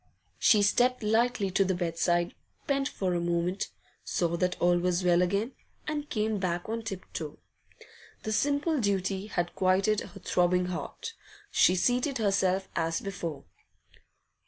She stepped lightly to the bedside, bent for a moment, saw that all was well again, and came back on tip toe. The simple duty had quieted her throbbing heart. She seated herself as before.